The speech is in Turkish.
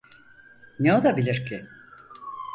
Ne olabilir ki?